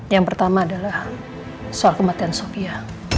yang pertama adalah soal kematian sofia